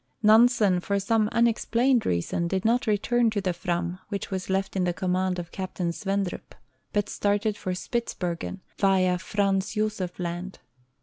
Nansen for some unexplained reason did not return to the Frnm, which was left in command of Caiitain Svendrup, but started for Spitzbergen via Franz Josef land.